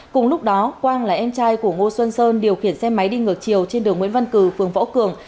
cùng lúc đó quang là em trai của ngô xuân sơn điều khiển xe máy đi ngược chiều trên đường nguyễn văn cử phường võ cường